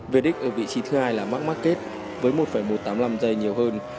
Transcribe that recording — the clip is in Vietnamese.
viết đích ở vị trí thứ hai là mark marquez với một một trăm tám mươi năm giây nhiều hơn